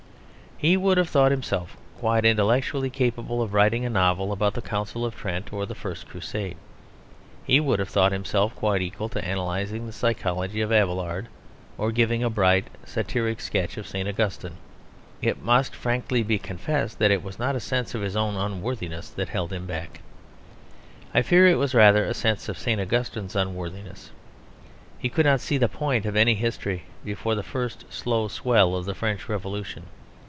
He would have thought himself quite intellectually capable of writing a novel about the Council of Trent or the First Crusade. He would have thought himself quite equal to analysing the psychology of Abelard or giving a bright, satiric sketch of St. Augustine. It must frankly be confessed that it was not a sense of his own unworthiness that held him back; I fear it was rather a sense of St. Augustine's unworthiness. He could not see the point of any history before the first slow swell of the French Revolution.